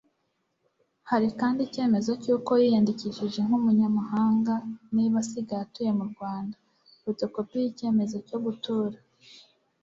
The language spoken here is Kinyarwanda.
hari kandi icyemezo cy'uko yiyandikishije nk'umunyamahanga niba asigaye atuye mu Rwanda, Fotokopi y'icyemezo cyo gutura